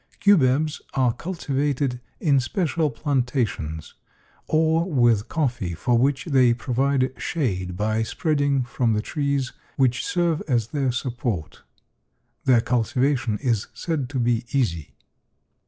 Cubebs are cultivated in special plantations or with coffee for which they provide shade by spreading from the trees which serve as their support. Their cultivation is said to be easy.